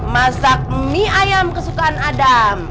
masak mie ayam kesukaan adam